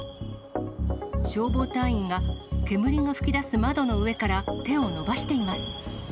消防隊員が、煙の噴き出す窓の上から手を伸ばしています。